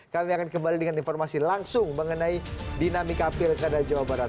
kami akan kembali dengan informasi langsung mengenai dinamika pilkada jawa barat